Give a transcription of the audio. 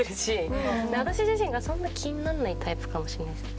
私自身がそんな気にならないタイプかもしれないですね